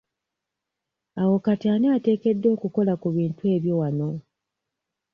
Awo kati ani ateekeddwa okukola ku ebintu ebyo wano?